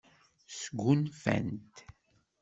Sgunfant.